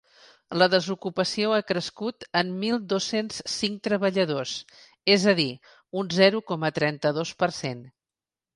La desocupació ha crescut en mil dos-cents cinc treballadors, és a dir un zero coma trenta-dos per cent.